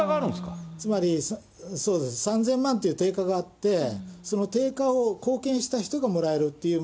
つまり、３０００万という定価があって、その定価を貢献した人がもらえるという。